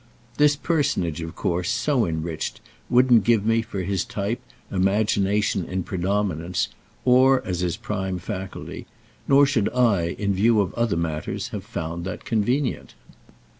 This personage of course, so enriched, wouldn't give me, for his type, imagination in predominance or as his prime faculty, nor should I, in view of other matters, have found that convenient.